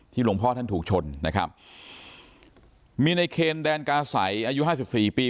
หลวงพ่อท่านถูกชนนะครับมีในเคนแดนกาศัยอายุห้าสิบสี่ปี